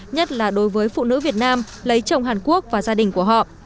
nhất là đối với phụ nữ việt nam lấy chồng hàn quốc và gia đình của họ